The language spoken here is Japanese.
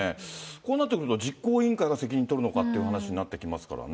こうなってくると、実行委員会が責任取るのかっていう話になってきますからね。